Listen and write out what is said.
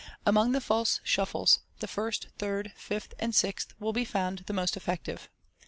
Among the false shuffles, the first, third, fifth, and sixth will be found the most effective.